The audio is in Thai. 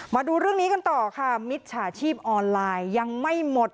มาดูเรื่องนี้กันต่อค่ะมิจฉาชีพออนไลน์ยังไม่หมด